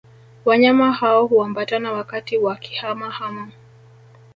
Wanyama hao huambatana wakati wa kihama hama